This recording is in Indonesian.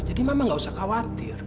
jadi mama enggak usah khawatir